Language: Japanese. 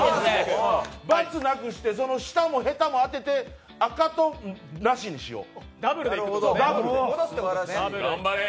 バツなくしてその下のへたも当てて、赤となしにしよう。